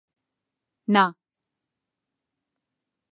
نا.